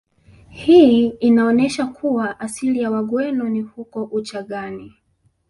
Hii inaonesha kuwa asili ya Wagweno ni huko Uchagani